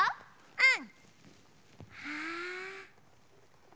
うん？